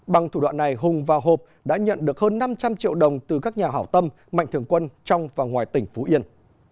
bằng thủ đoạn này hùng và hộp đã nhận được hơn năm trăm linh triệu đồng từ các nhà hảo tâm mạnh thường quân trong và ngoài tỉnh phú yên